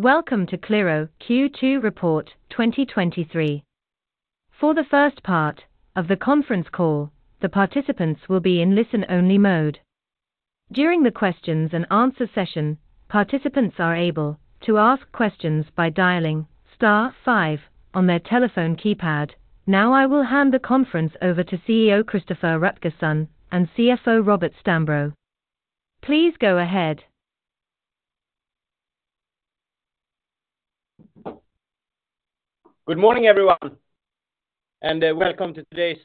Welcome to Qliro Q2 Report 2023. For the first part of the conference call, the participants will be in listen-only mode. During the questions and answer session, participants are able to ask questions by dialing star five on their telephone keypad. Now, I will hand the conference over to CEO Christoffer Rutgersson and CFO Robert Stambro. Please go ahead. Good morning, everyone, welcome to today's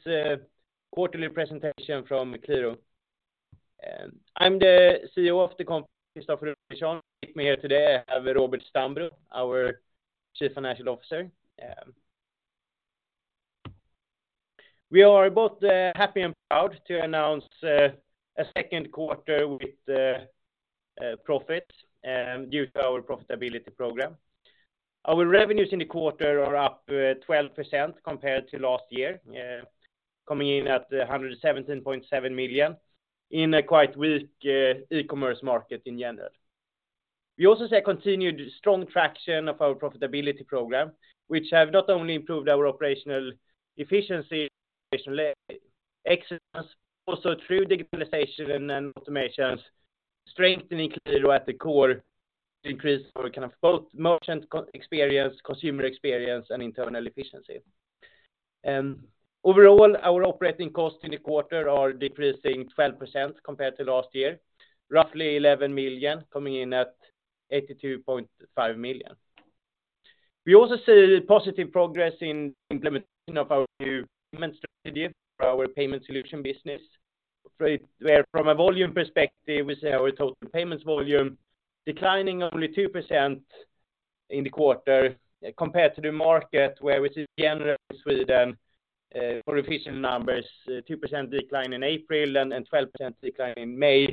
quarterly presentation from Qliro. I'm the CEO of the company, Christoffer Rutgersson. With me here today, I have Robert Stambro, our Chief Financial Officer. We are both happy and proud to announce a second quarter with profit due to our profitability program. Our revenues in the quarter are up 12% compared to last year, coming in at 117.7 million in a quite weak e-commerce market in general. We also see a continued strong traction of our profitability program, which have not only improved our operational efficiency, excellence, also through digitalization and automations, strengthening Qliro at the core to increase our kind of both merchant experience, consumer experience, and internal efficiency. Overall, our operating costs in the quarter are decreasing 12% compared to last year. Roughly 11 million, coming in at 82.5 million. We also see positive progress in implementation of our new payment strategy for our payment solution business, where from a volume perspective, we see our total payments volume declining only 2% in the quarter compared to the market, where we see generally in Sweden, for efficient numbers, a 2% decline in April and 12% decline in May,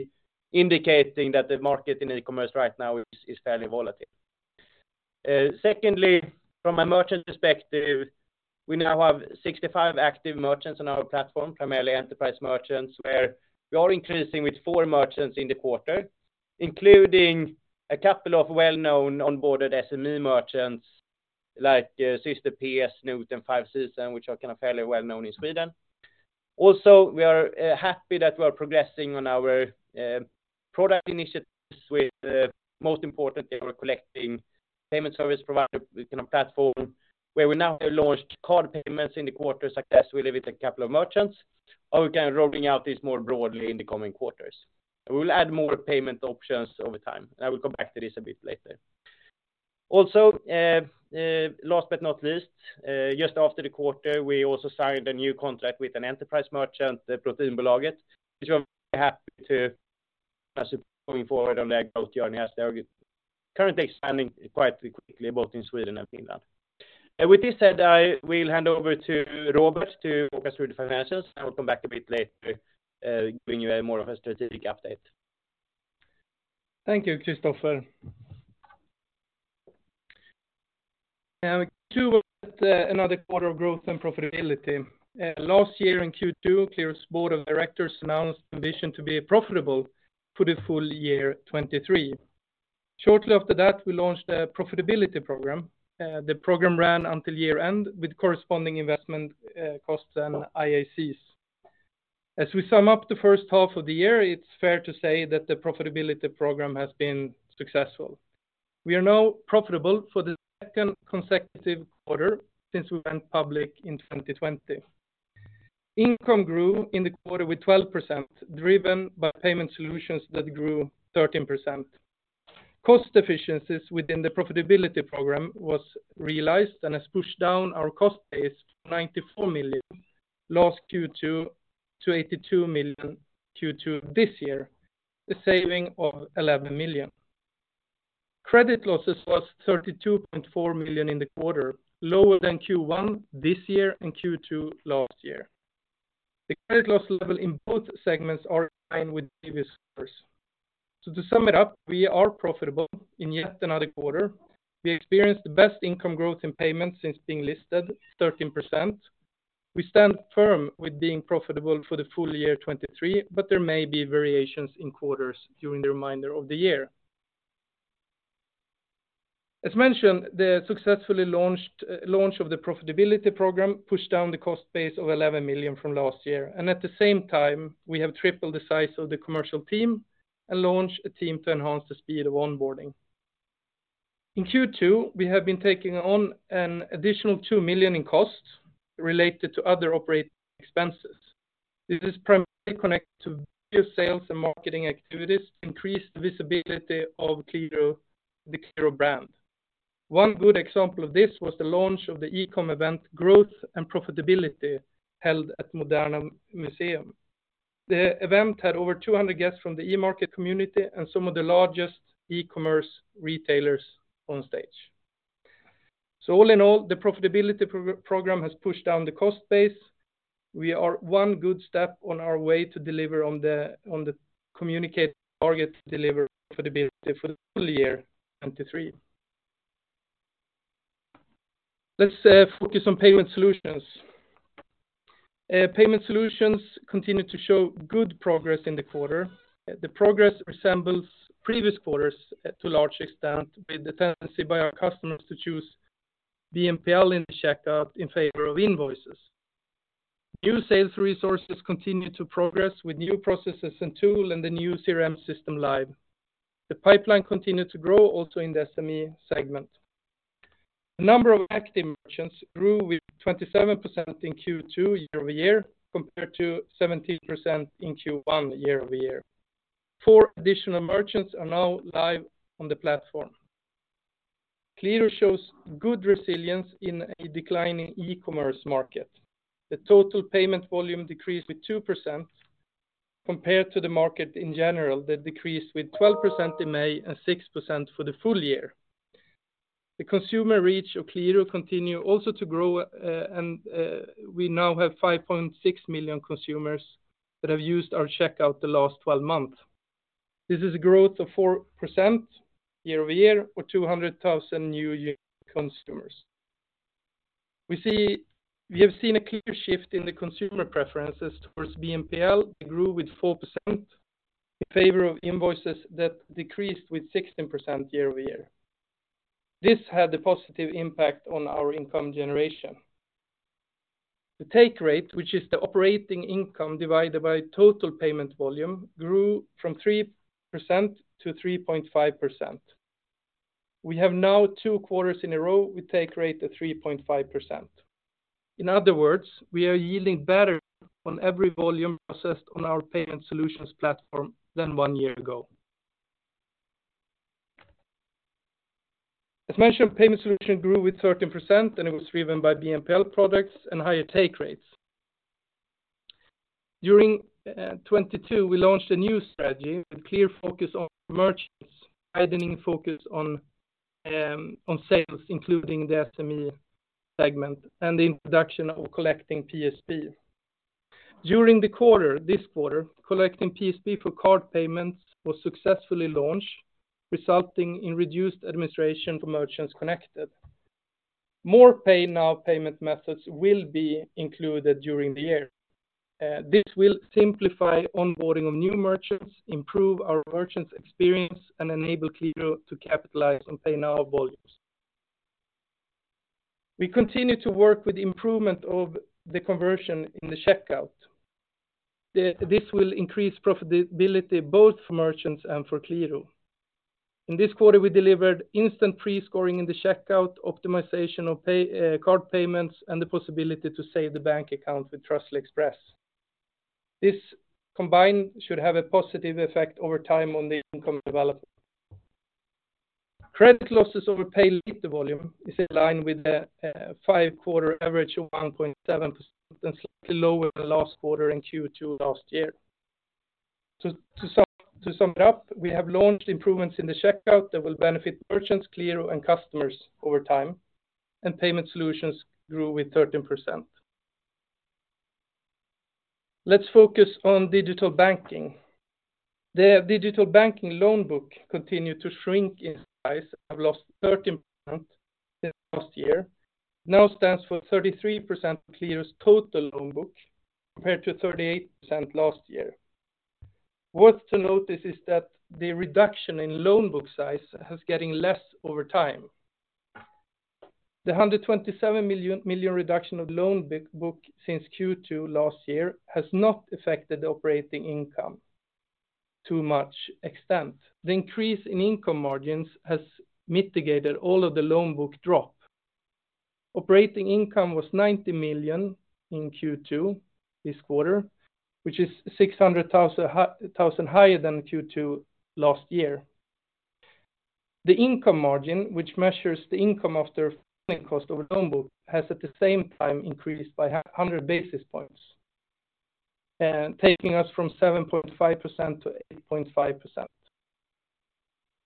indicating that the market in e-commerce right now is fairly volatile. Secondly, from a merchant perspective, we now have 65 active merchants on our platform, primarily enterprise merchants, where we are increasing with four merchants in the quarter, including a couple of well-known onboarded SME merchants like Syster P, Nividas, Five Seasons, which are kind of fairly well known in Sweden. We are happy that we are progressing on our product initiatives, with most importantly, we're collecting payment service provider kind of platform, where we now have launched card payments in the quarter successfully with a couple of merchants, and we're kind of rolling out this more broadly in the coming quarters. We will add more payment options over time. I will come back to this a bit later. Last but not least, just after the quarter, we also signed a new contract with an enterprise merchant, Proteinbolaget, which we are happy to pass it going forward on their growth journey as they are currently expanding quite quickly, both in Sweden and Finland. With this said, I will hand over to Robert to walk us through the financials. I will come back a bit later, giving you a more of a strategic update. Thank you, Christoffer. Q2 was another quarter of growth and profitability. Last year in Q2, Qliro's Board of Directors announced the ambition to be profitable for the full year 2023. Shortly after that, we launched a profitability program. The program ran until year-end, with corresponding investment costs and IACs. As we sum up the first half of the year, it's fair to say that the profitability program has been successful. We are now profitable for the second consecutive quarter since we went public in 2020. Income grew in the quarter with 12%, driven by payment solutions that grew 13%. Cost efficiencies within the profitability program was realized and has pushed down our cost base to 94 million, last Q2 to 82 million Q2 this year, a saving of 11 million. Credit losses was 32.4 million in the quarter, lower than Q1 this year and Q2 last year. The credit loss level in both segments are in line with previous quarters. To sum it up, we are profitable in yet another quarter. We experienced the best income growth in payments since being listed, 13%. We stand firm with being profitable for the full year 2023, but there may be variations in quarters during the remainder of the year. As mentioned, the successfully launched launch of the profitability program pushed down the cost base of 11 million from last year, and at the same time, we have tripled the size of the commercial team and launched a team to enhance the speed of onboarding. In Q2, we have been taking on an additional 2 million in costs related to other operating expenses. This is primarily connected to new sales and marketing activities to increase the visibility of Qliro, the Qliro brand. One good example of this was the launch of the e-com event, Growth and Profitability, held at Moderna Museet. The event had over 200 guests from the e-market community and some of the largest e-commerce retailers on stage. All in all, the profitability program has pushed down the cost base. We are one good step on our way to deliver on the communicate target delivery profitability for the full year, 2023. Let's focus on payment solutions. Payment solutions continue to show good progress in the quarter. The progress resembles previous quarters to a large extent, with the tendency by our customers to choose BNPL in the checkout in favor of invoices. New sales resources continue to progress with new processes and tool and the new CRM system live. The pipeline continued to grow also in the SME segment. The number of active merchants grew with 27% in Q2 year-over-year, compared to 17% in Q1 year-over-year. Four additional merchants are now live on the platform. Qliro shows good resilience in a declining e-commerce market. The total payment volume decreased with 2% compared to the market in general, that decreased with 12% in May and 6% for the full year. The consumer reach of Qliro continue also to grow, and we now have 5.6 million consumers that have used our checkout the last 12 months. This is a growth of 4% year-over-year, or 200,000 new unique consumers. We have seen a clear shift in the consumer preferences towards BNPL, it grew with 4%, in favor of invoices that decreased with 16% year-over-year. This had a positive impact on our income generation. The take rate, which is the operating income divided by total payment volume, grew from 3% to 3.5%. We have now two quarters in a row with take rate of 3.5%. In other words, we are yielding better on every volume processed on our payment solutions platform than one year ago. As mentioned, payment solution grew with 13%, it was driven by BNPL products and higher take rates. During 2022, we launched a new strategy with clear focus on merchants, widening focus on sales, including the SME segment and the introduction of collecting PSP. During the quarter, this quarter, collecting PSP for card payments was successfully launched, resulting in reduced administration for merchants connected. More Pay Now payment methods will be included during the year. This will simplify onboarding of new merchants, improve our merchants' experience, and enable Qliro to capitalize on Pay Now volumes. We continue to work with improvement of the conversion in the checkout. This will increase profitability both for merchants and for Qliro. In this quarter, we delivered instant pre-scoring in the checkout, optimization of card payments, and the possibility to save the bank account with Trustly Express. This combined should have a positive effect over time on the income development. Credit losses over pay later volume is in line with the five-quarter average of 1.7% and slightly lower than last quarter in Q2 last year. To sum it up, we have launched improvements in the checkout that will benefit merchants, Qliro, and customers over time, and payment solutions grew with 13%. Let's focus on digital banking. The digital banking loan book continued to shrink in size, have lost 13% since last year. Stands for 33% of Qliro's total loan book, compared to 38% last year. Worth to notice is that the reduction in loan book size is getting less over time. The 127 million reduction of loan book since Q2 last year has not affected the operating income to much extent. The increase in income margins has mitigated all of the loan book drop. Operating income was 90 million in Q2 this quarter, which is 600,000 higher than Q2 last year. The income margin, which measures the income of their cost over loan book, has, at the same time, increased by 100 basis points, taking us from 7.5% to 8.5%.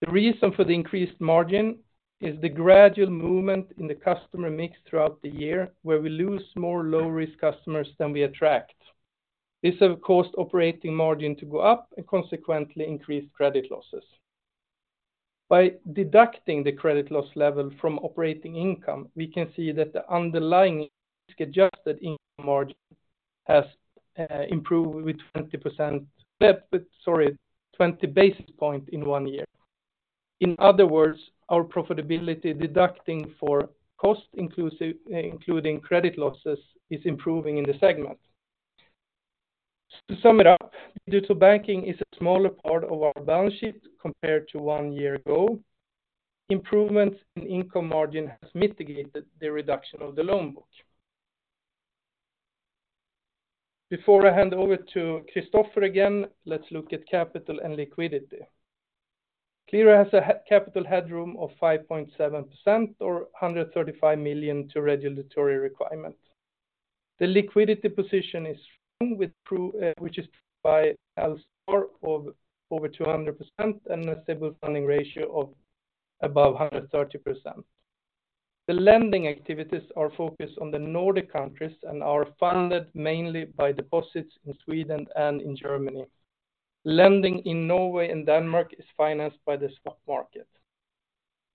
The reason for the increased margin is the gradual movement in the customer mix throughout the year, where we lose more low-risk customers than we attract. This have caused operating margin to go up and consequently increased credit losses. By deducting the credit loss level from operating income, we can see that the underlying adjusted income margin has improved with 20%, sorry, 20 basis points in one year. In other words, our profitability, deducting for cost, inclusive, including credit losses, is improving in the segment. To sum it up, digital banking is a smaller part of our balance sheet compared to one year ago. Improvements in income margin has mitigated the reduction of the loan book. Before I hand over to Christoffer again, let's look at capital and liquidity. Qliro has a capital headroom of 5.7%, or 135 million to regulatory requirement. The liquidity position is strong, which is by LCR of over 200% and a stable funding ratio of above 130%. The lending activities are focused on the Nordic countries and are funded mainly by deposits in Sweden and in Germany. Lending in Norway and Denmark is financed by the stock market.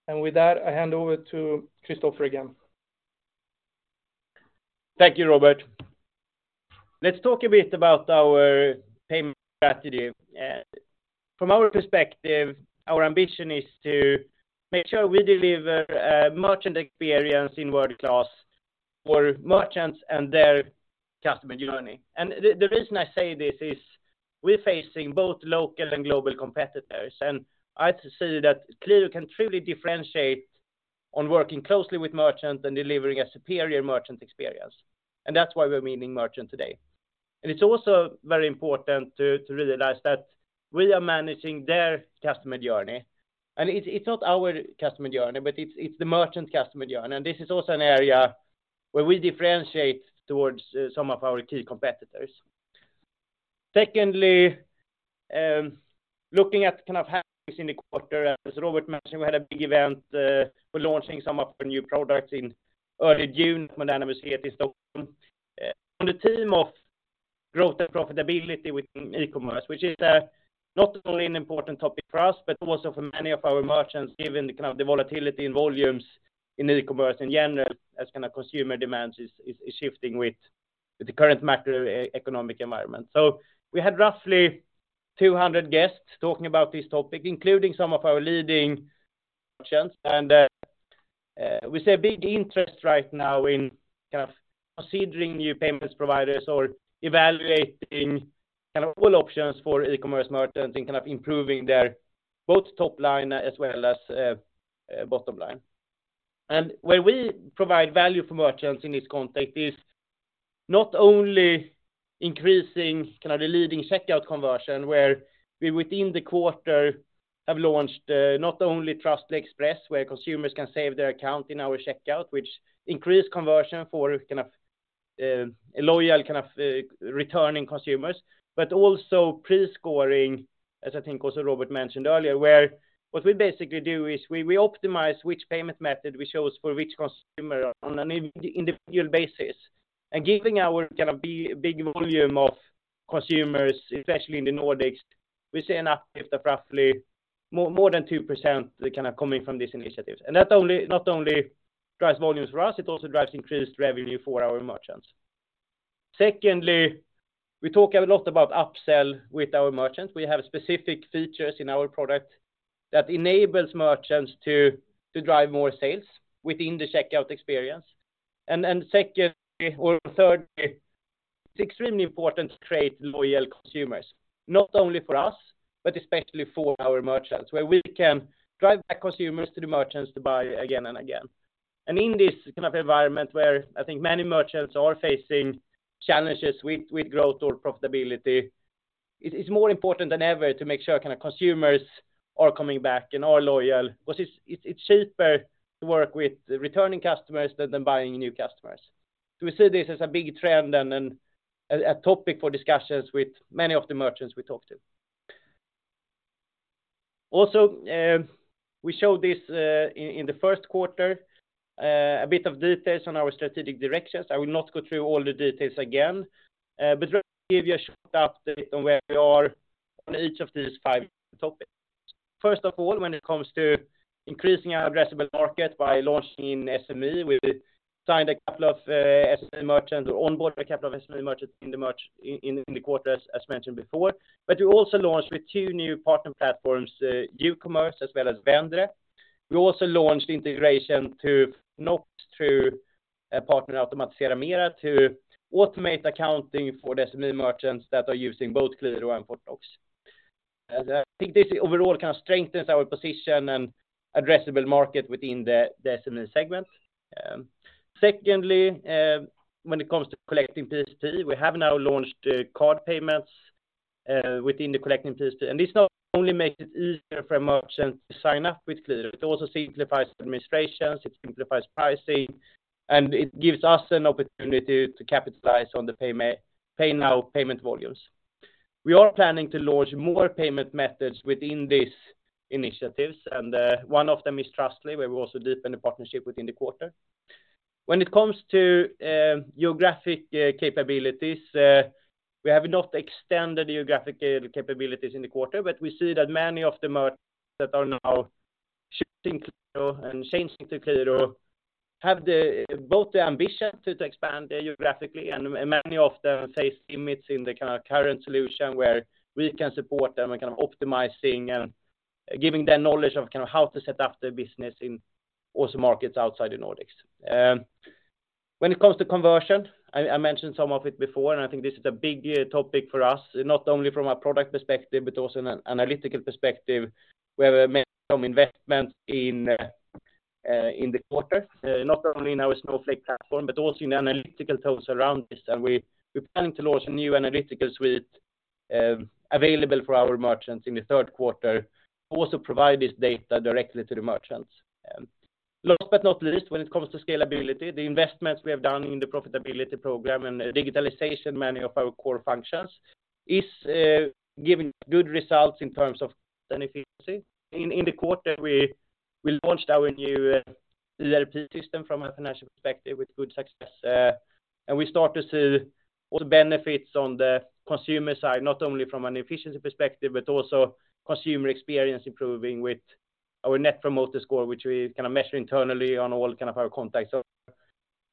With that, I hand over to Christoffer again. Thank you, Robert. Let's talk a bit about our payment strategy. From our perspective, our ambition is to make sure we deliver, merchant experience in world-class for merchants and their customer journey. The reason I say this is we're facing both local and global competitors, and I have to say that Qliro can truly differentiate on working closely with merchants and delivering a superior merchant experience, and that's why we're meeting merchant today. It's also very important to realize that we are managing their customer journey, and it's not our customer journey, but it's the merchant customer journey. This is also an area where we differentiate towards some of our key competitors. Secondly, looking at kind of happenings in the quarter, as Robert mentioned, we had a big event for launching some of our new products in early June, when anniversary in Stockholm. On the theme of Growth and Profitability within e-commerce, which is not only an important topic for us, but also for many of our merchants, given the kind of the volatility in volumes in e-commerce in general, as kind of consumer demands is shifting with the current macroeconomic environment. We had roughly 200 guests talking about this topic, including some of our leading merchants, and we see a big interest right now in kind of considering new payments providers or evaluating kind of all options for e-commerce merchants and kind of improving their both top line as well as bottom line. Where we provide value for merchants in this context is not only increasing kind of the leading checkout conversion, where we, within the quarter, have launched, not only Trustly Express, where consumers can save their account in our checkout, which increased conversion for kind of, loyal, kind of, returning consumers, but also pre-scoring, as I think also Robert mentioned earlier, where what we basically do is we optimize which payment method we choose for which consumer on an individual basis. Giving our kind of big volume of consumers, especially in the Nordics, we see an uplift of roughly more than 2% kind of coming from these initiatives. That only, not only drives volumes for us, it also drives increased revenue for our merchants. Secondly, we talk a lot about upsell with our merchants. We have specific features in our product that enables merchants to drive more sales within the checkout experience. Secondly, or thirdly, it's extremely important to create loyal consumers, not only for us, but especially for our merchants, where we can drive back consumers to the merchants to buy again and again. In this kind of environment, where I think many merchants are facing challenges with growth or profitability, it's more important than ever to make sure kind of consumers are coming back and are loyal, because it's cheaper to work with returning customers than buying new customers. We see this as a big trend and a topic for discussions with many of the merchants we talk to. Also, we showed this in the first quarter a bit of details on our strategic directions. I will not go through all the details again, but just give you a short update on where we are on each of these five topics. First of all, when it comes to increasing our addressable market by launching in SME, we signed a couple of SME merchants, or onboard a couple of SME merchants in the quarter, as mentioned before. We also launched with two new partner platforms, Ucommerce as well as Vendre. We also launched integration to Fortnox, through a partner, Automatisera Mera, to automate accounting for the SME merchants that are using both Qliro and Fortnox. I think this overall kind of strengthens our position and addressable market within the SME segment. Secondly, when it comes to collecting PSP, we have now launched card payments within the collecting PSP. This not only makes it easier for a merchant to sign up with Qliro, it also simplifies administrations, it simplifies pricing, and it gives us an opportunity to capitalize on the Pay Now payment volumes. We are planning to launch more payment methods within these initiatives, and one of them is Trustly, where we also deepen the partnership within the quarter. When it comes to geographic capabilities, we have not extended the geographic capabilities in the quarter, but we see that many of the merchants that are now shifting Qliro and changing to Qliro have the, both the ambition to expand geographically, and many of them face limits in the kind of current solution where we can support them and kind of optimizing and giving them knowledge of kind of how to set up their business in also markets outside the Nordics. When it comes to conversion, I mentioned some of it before, and I think this is a big topic for us, not only from a product perspective, but also an analytical perspective. We have made some investment in in the quarter, not only in our Snowflake platform, but also in the analytical tools around this. We're planning to launch a new analytical suite available for our merchants in the third quarter, to also provide this data directly to the merchants. Last but not least, when it comes to scalability, the investments we have done in the profitability program and digitalization, many of our core functions, is giving good results in terms of efficiency. In, in the quarter, We launched our new ERP system from a financial perspective with good success. We start to see all the benefits on the consumer side, not only from an efficiency perspective, but also consumer experience improving with our Net Promoter Score, which we kind of measure internally on all kind of our contacts.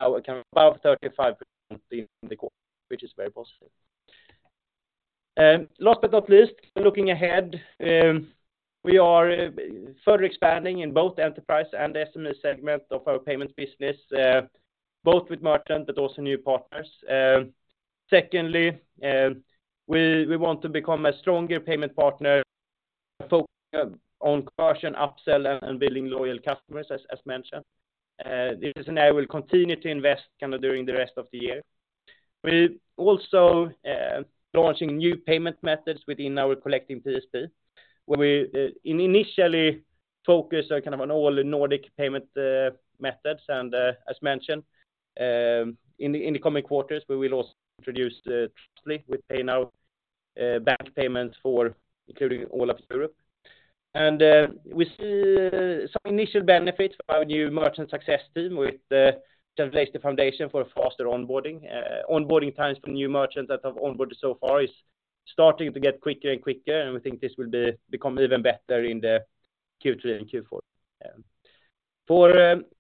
Our, kind of, about 35% in the quarter, which is very positive. Last but not least, looking ahead, we are further expanding in both enterprise and the SME segment of our payments business, both with merchant but also new partners. Secondly, we want to become a stronger payment partner, focus on conversion, upsell, and building loyal customers, as mentioned. This is an area we'll continue to invest kind of during the rest of the year. We're also launching new payment methods within our collecting PSP, where we initially focus on kind of an all Nordic payment methods. As mentioned, in the coming quarters, we will also introduce with Pay Now bank payments for including all of Europe. We see some initial benefits for our new merchant success team, with translates the foundation for a faster onboarding. Onboarding times for new merchants that have onboarded so far is starting to get quicker and quicker, and we think this will become even better in the Q3 and Q4. For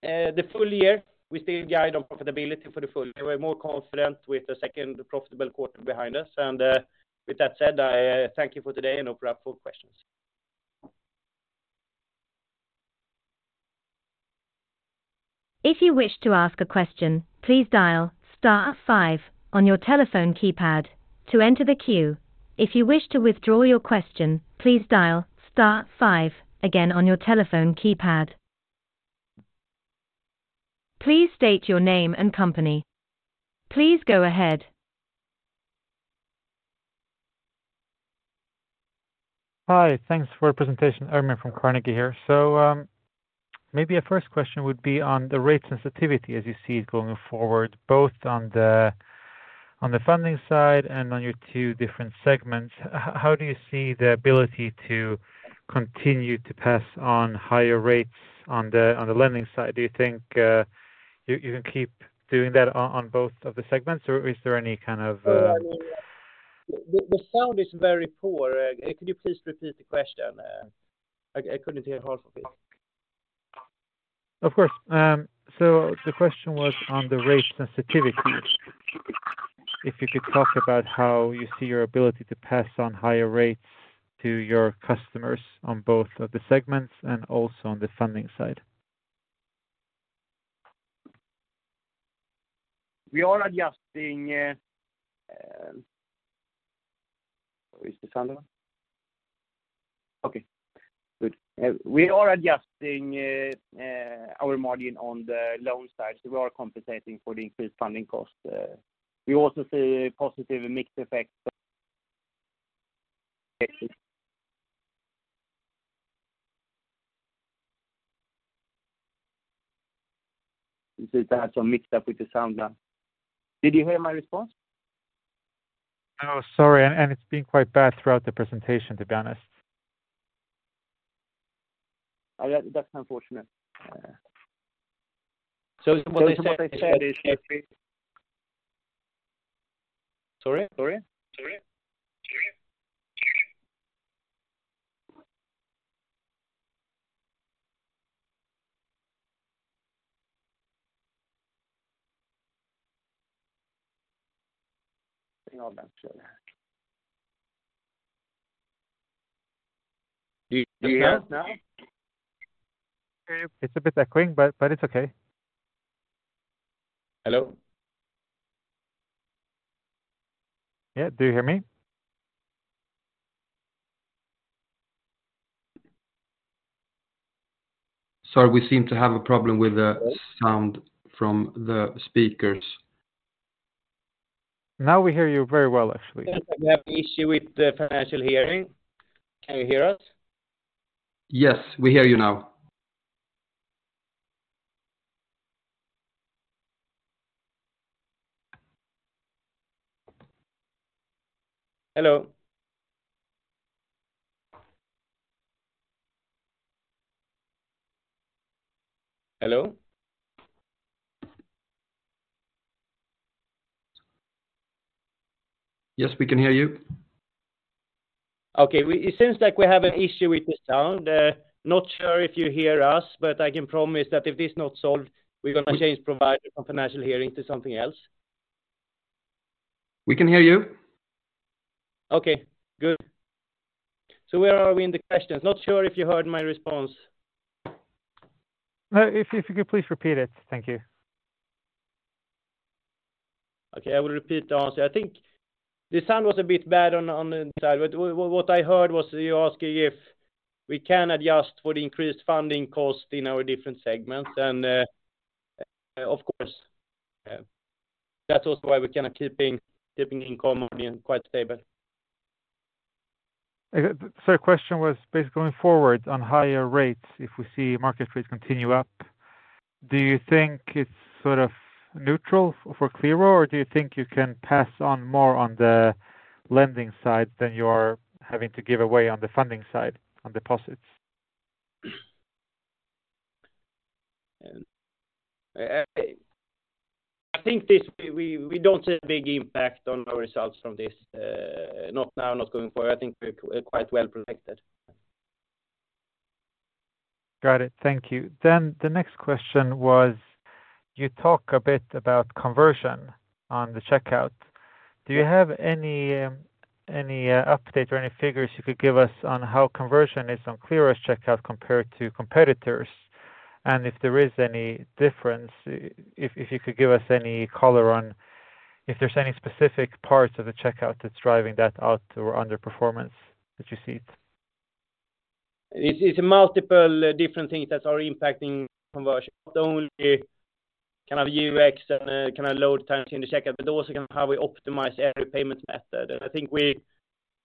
the full year, we still guide on profitability for the full year. We're more confident with the second profitable quarter behind us, with that said, I thank you for today, and open up for questions. If you wish to ask a question, please dial star five on your telephone keypad to enter the queue. If you wish to withdraw your question, please dial star five again on your telephone keypad. Please state your name and company. Please go ahead. Hi, thanks for the presentation. Ermin from Carnegie here. Maybe a first question would be on the rate sensitivity as you see it going forward, both on the funding side and on your two different segments. How do you see the ability to continue to pass on higher rates on the lending side? Do you think you can keep doing that on both of the segments, or is there any kind of? The sound is very poor. Could you please repeat the question? I couldn't hear half of it. Of course. The question was on the rate sensitivity. If you could talk about how you see your ability to pass on higher rates to your customers on both of the segments and also on the funding side? We are adjusting. Is the sound on? Okay, good. We are adjusting our margin on the loan side. We are compensating for the increased funding cost. We also see a positive mixed effect. This is had some mixed up with the sound. Did you hear my response? Sorry, and it's been quite bad throughout the presentation, to be honest. Oh, that's unfortunate. What I said. Sorry? Sorry. Sorry. Do you hear me now? It's a bit echoing, but it's okay. Hello? Yeah. Do you hear me? Sorry, we seem to have a problem with the sound from the speakers. Now, we hear you very well, actually. We have an issue with the Financial Hearing. Can you hear us? Yes, we hear you now. Hello? Hello? Yes, we can hear you. Okay. It seems like we have an issue with the sound. Not sure if you hear us, but I can promise that if this not solved, we're gonna change provider from Financial Hearing to something else. We can hear you. Okay, good. Where are we in the questions? Not sure if you heard my response. If you could please repeat it. Thank you. Okay, I will repeat the answer. I think the sound was a bit bad on the inside. What I heard was you asking if we can adjust for the increased funding cost in our different segments. Of course, that's also why we're kinda keeping in common and quite stable. Question was, basically, going forward on higher rates, if we see market rates continue up, do you think it's sort of neutral for Qliro, or do you think you can pass on more on the lending side than you are having to give away on the funding side, on deposits? I think this, we don't see a big impact on our results from this, not now, not going forward. I think we're quite well protected. Got it. Thank you. The next question was, you talk a bit about conversion on the checkout. Do you have any update or any figures you could give us on how conversion is on Qliro's checkout compared to competitors? If there is any difference, if you could give us any color on if there's any specific parts of the checkout that's driving that out or underperformance that you see it? It's multiple different things that are impacting conversion. Not only kind of UX and kind of load times in the checkout, but also kind of how we optimize every payment method. I think we,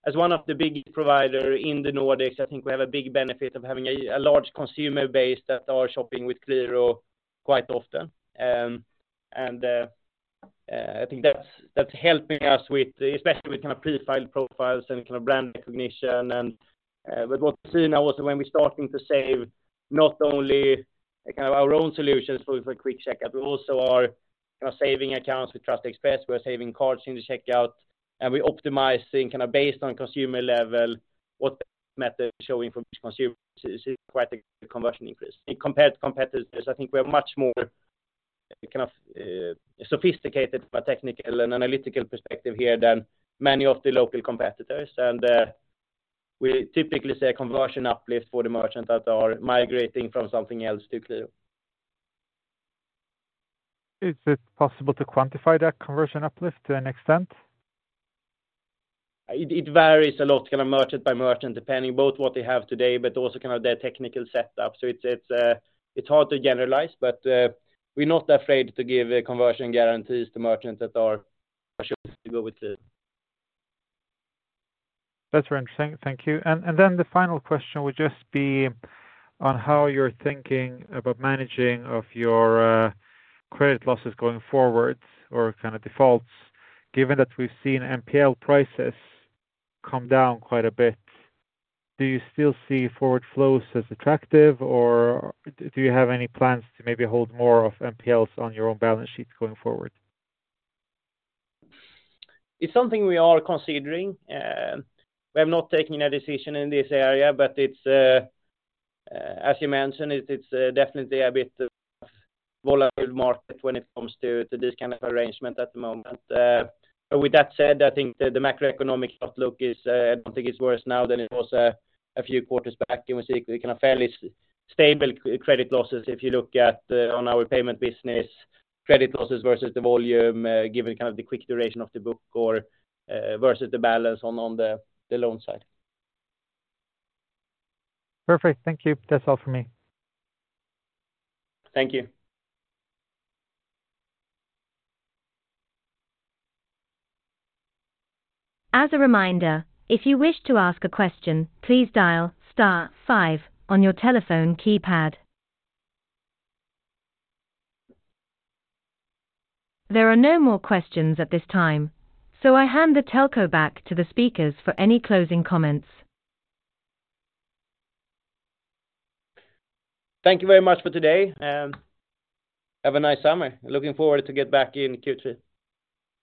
as one of the big provider in the Nordics, I think we have a big benefit of having a large consumer base that are shopping with Qliro quite often. And I think that's helping us with, especially with kind of pre-filled profiles and kind of brand recognition. What we've seen now is when we're starting to save not only kind of our own solutions for a quick checkout, we also are kind of saving accounts with Trustly Express, we're saving cards in the checkout, and we optimizing kind of based on consumer level, what method showing from which consumer is quite a conversion increase. Compared to competitors, I think we're much more, kind of, sophisticated from a technical and analytical perspective here than many of the local competitors. We typically say a conversion uplift for the merchants that are migrating from something else to Qliro. Is it possible to quantify that conversion uplift to an extent? It varies a lot, kind of merchant by merchant, depending both what they have today, but also kind of their technical setup. It's hard to generalize, but we're not afraid to give conversion guarantees to merchants that are to go with it. That's very interesting. Thank you. Then the final question would just be on how you're thinking about managing of your credit losses going forward or kind of defaults. Given that we've seen NPL prices come down quite a bit, do you still see forward flows as attractive, or do you have any plans to maybe hold more of NPLs on your own balance sheet going forward? It's something we are considering, we have not taken a decision in this area, but it's, as you mentioned, it's definitely a bit of volatile market when it comes to this kind of arrangement at the moment. With that said, I think the macroeconomic outlook is, I don't think it's worse now than it was, a few quarters back, and we see kind of fairly stable credit losses. If you look at, on our payment business, credit losses versus the volume, given kind of the quick duration of the book or, versus the balance on the loan side. Perfect. Thank you. That's all for me. Thank you. As a reminder, if you wish to ask a question, please dial star five on your telephone keypad. There are no more questions at this time. I hand the telco back to the speakers for any closing comments. Thank you very much for today, and have a nice summer. Looking forward to get back in Q2.